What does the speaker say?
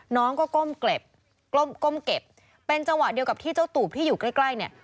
น้องก็ก้มเก็บกล้มก้มเก็บเป็นจังหวะเดียวกับที่เจ้าตูบที่อยู่ใกล้ใกล้เนี่ย